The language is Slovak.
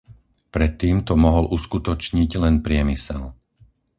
Predtým to mohol uskutočniť len priemysel.